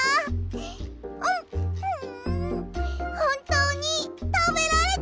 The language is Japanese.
んほんとうにたべられた！